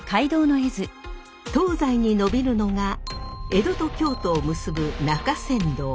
東西に延びるのが江戸と京都を結ぶ中山道。